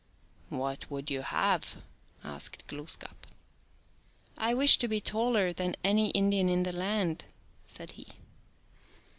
" What would you have ?" asked Glooskap. " I wish to be taller than any Indian in the land," said he.